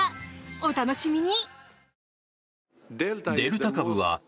お楽しみに！